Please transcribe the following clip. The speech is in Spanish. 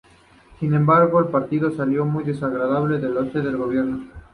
Sin embargo, el partido salió muy desgastado de este gobierno.